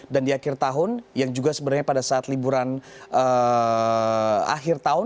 dan di akhir tahun yang juga sebenarnya pada saat liburan akhir tahun